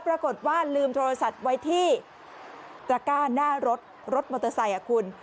ปรากฏว่าลืมโทรศัพท์ไว้ที่ตระก้าหน้ารถรถมอเตอร์ไซค์คุณ